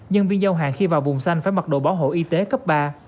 nhân viên giao hàng khi vào vùng xanh phải mặc đồ bảo hộ y tế cấp ba